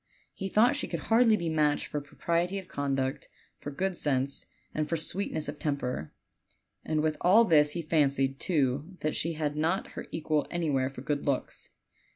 He thought she could hardly be matched for propriety of conduct, for good sense, and for sweetness of temper; and with all this he fancied, too, that she had not her equal anywhere for good looks.